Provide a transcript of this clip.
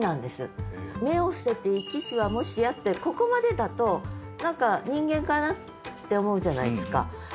「目を伏せて行きしはもしや」ってここまでだと何か人間かなって思うじゃないですか。